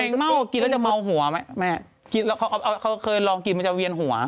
กินแล้วจะเมาหัวไหมแม่คิดแล้วเขาเขาเคยลองกินมันจะเวียนหัว